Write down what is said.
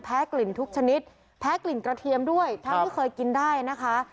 กลิ่นทุกชนิดแพ้กลิ่นกระเทียมด้วยทั้งที่เคยกินได้นะคะ